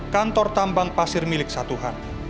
kantor tambang pasir milik satuan